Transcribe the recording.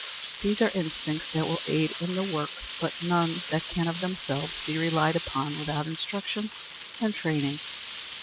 There are instincts that will aid in the work, but none that can of themselves be relied upon without instruction and training.